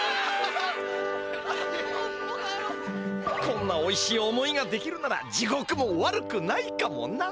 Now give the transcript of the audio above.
こんなおいしい思いができるなら地獄も悪くないかもな！